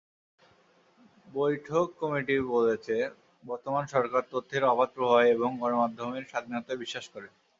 বৈঠকে কমিটি বলেছে, বর্তমান সরকার তথ্যের অবাধ প্রবাহে এবং গণমাধ্যমের স্বাধীনতায় বিশ্বাস করে।